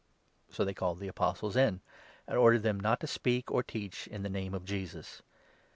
So they called the Apostles in, and ordered them not to 18 speak or teach in the Name of Jesus.